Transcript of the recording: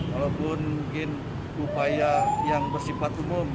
walaupun mungkin upaya yang bersifat umum